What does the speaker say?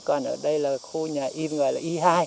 còn ở đây là khu nhà in gọi là y hai